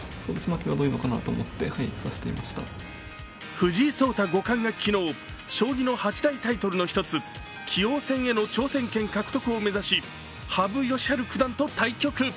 藤井聡太五冠が昨日、将棋の八大タイトルの１つ、棋王戦への挑戦権獲得を目指し羽生善治九段と対決。